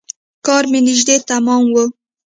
کار مې نژدې تمام و.